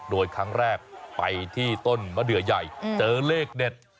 โดยครั้งแรกไปที่ต้นมะเดือใหญ่เจอเลขเด็ด